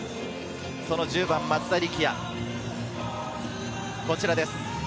１０番・松田力也、こちらです。